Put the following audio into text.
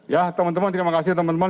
ya teman teman terima kasih teman teman